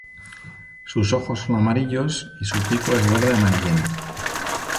Su ojos son amarillos y su pico es verde amarillento.